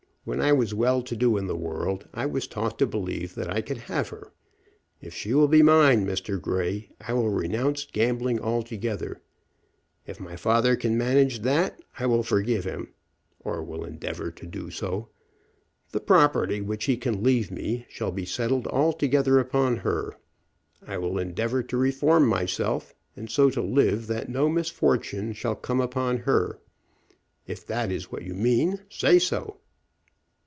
When I was well to do in the world I was taught to believe that I could have her. If she will be mine, Mr. Grey, I will renounce gambling altogether. If my father can manage that I will forgive him, or will endeavor to do so. The property which he can leave me shall be settled altogether upon her. I will endeavor to reform myself, and so to live that no misfortune shall come upon her. If that is what you mean, say so."